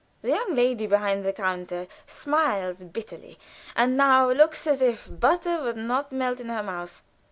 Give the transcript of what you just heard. The young lady behind the counter smiles bitterly, and now looks as if butter would not melt in her mouth.